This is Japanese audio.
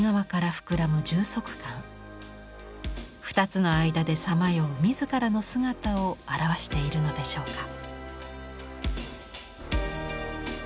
２つの間でさまよう自らの姿を表しているのでしょうか。